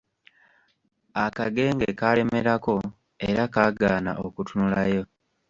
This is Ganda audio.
Akagenge kaalemerako era kaagaana okutunulayo.